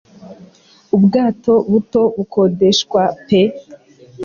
ubwato buto bukodeshwa pe